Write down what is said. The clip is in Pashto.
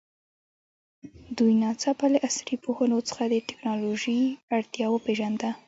دوی ناڅاپه له عصري پوهنو څخه د تکنالوژي اړتیا وپېژانده.